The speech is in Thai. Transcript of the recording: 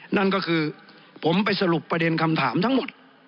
นั่นก็คือผมไปสรุปประเด็นคำถามทั้งหมด